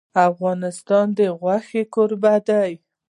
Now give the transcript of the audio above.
افغانستان د غوښې کوربه دی.